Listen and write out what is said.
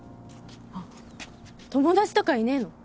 あっ友達とかいねえの？